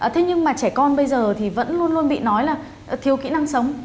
thế nhưng mà trẻ con bây giờ thì vẫn luôn luôn bị nói là thiếu kỹ năng sống